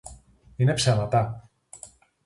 Είναι ψέματα;